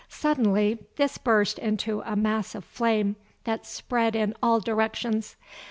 Suddenly this burst into a mass of flame that spread in all directions.